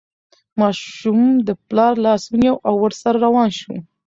ماشوم د پلار لاس ونیو او ورسره روان شو.